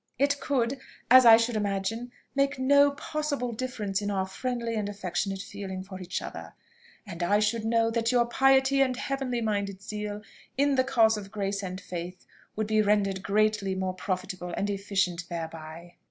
It could, as I should imagine, make no possible difference in our friendly and affectionate feelings for each other; and I should know that your piety and heavenly minded zeal in the cause of grace and faith would be rendered greatly more profitable and efficient thereby."